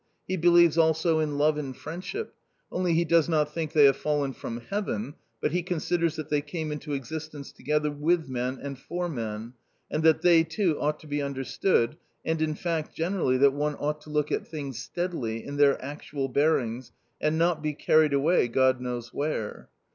He believes also in love and friendship, only he does not think they have fallen from heaven, but he considers that they came into existence together with men and for men, and that they too ought to be understood, and in fact generally that one ought to look at things steadily, in their actual bearings, and not be carried away God knows where.